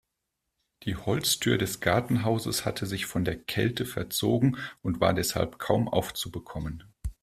Die Holztür des Gartenhauses hatte sich von der Kälte verzogen und war deshalb kaum aufzubekommen.